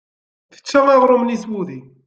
Tečča aɣrum-nni s wudi.